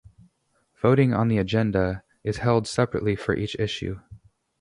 Voting on the agenda is held separately for each issue.